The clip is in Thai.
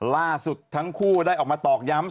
ล่าสุดทั้งคู่ได้ออกมาตอกย้ำ